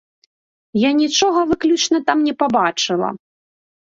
Я нічога выключна там не пабачыла.